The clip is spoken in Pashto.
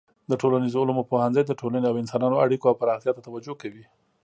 د ټولنیزو علومو پوهنځی د ټولنې او انسانانو اړیکو او پراختیا ته توجه کوي.